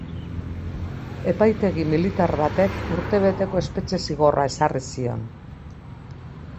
Epaitegi militar batek urtebeteko espetxe zigorra ezarri zion.